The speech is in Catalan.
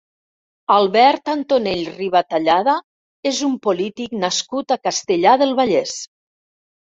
Albert Antonell Ribatallada és un polític nascut a Castellar del Vallès.